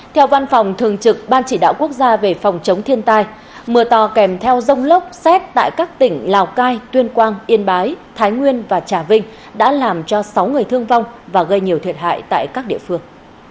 theo văn phòng thường trực ban chỉ đạo quốc gia về phòng chống thiên tai mưa to kèm theo rông lốc xét tại các tỉnh lào cai tuyên quang yên bái thái nguyên và trà vinh đã làm cho sáu người thương vong và gây nhiều thiệt hại tại các địa phương